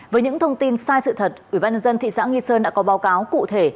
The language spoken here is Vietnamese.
với những thông tin sai sự thật ubnd thị xã nghi sơn đã có báo cáo cụ thể